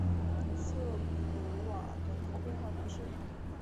瑟普瓦人口变化图示